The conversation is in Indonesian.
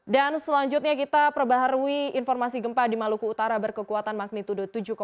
dan selanjutnya kita perbaharui informasi gempa di maluku utara berkekuatan magnitudo tujuh satu